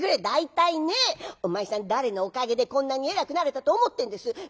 「大体ねお前さん誰のおかげでこんなに偉くなれたと思ってんです？